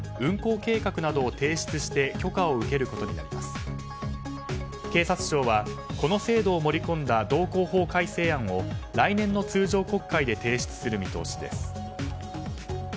警察庁はこの制度を盛り込んだ道交法改正案を来年の通常国会で提出する見通しです。